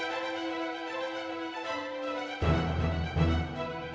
aku mau pergi ke tempat yang lebih baik